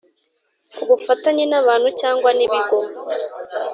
ubufatanye n abantu cyangwa nibigo